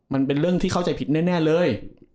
มันเป็นเรื่องที่เข้าใจผิดแน่เลย